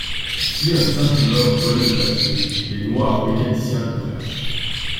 Firent les imprimeurs aux bonnets de papier, les noirs mécaniciens des presses.